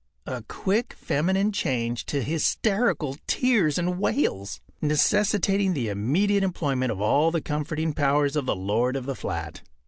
a quick feminine change to hysterical tears and wails, necessitating the immediate employment of all the comforting powers of the lord of the flat.